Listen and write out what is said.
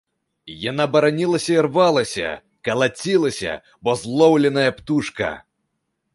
Яна баранілася і рвалася, калацілася, бы злоўленая птушка.